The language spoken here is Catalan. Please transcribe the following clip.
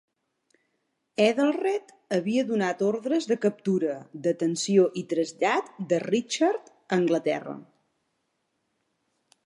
Ethelred havia donat ordres de captura, detenció i trasllat de Richard a Anglaterra.